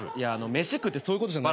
飯食うってそういうことじゃない。